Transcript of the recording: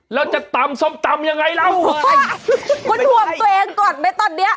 แล้วจะตำซ่อมตำยังไงล่ะโอ้โฮคุณห่วงตัวเองก่อนไปตอนนี้